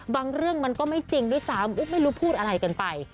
เรื่องมันก็ไม่จริงด้วยซ้ำไม่รู้พูดอะไรกันไป